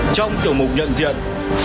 trong tiểu mục nhận diện